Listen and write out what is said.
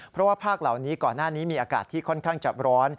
เพราะว่าภาคเหล่านี้ก่อนหน้านี้มีอากาศที่ค่อนข้างจะร้อน